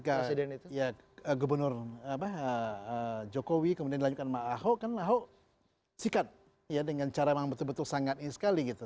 ketika gubernur jokowi kemudian dilanjutkan sama ahok kan ahok sikat ya dengan cara memang betul betul sangat ini sekali gitu